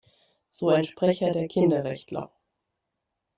So ein Sprecher der Kinderrechtler.